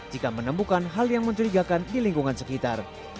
jika menemukan hal yang mencurigakan di lingkungan sekitar